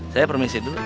saya permisi dulu